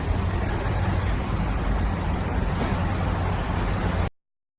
โปรดติดตามตอนต่อไป